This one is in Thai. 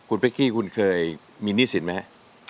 คุณเป๊กกี้คุณเคยมีหนี้สินไหมครับ